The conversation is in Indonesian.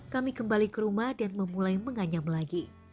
kami kembali ke rumah dan memulai menganyam lagi